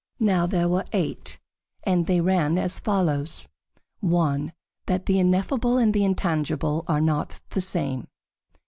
Now there were eight, and they ran as follows: 1. That the ineffable and the intangible are not the same.